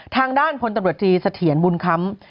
ทางด้านพลตำรวจจีเสถียรบุญค้ำ